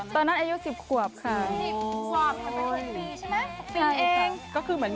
ตอนนั้นอายุ๑๐ขวบค่ะ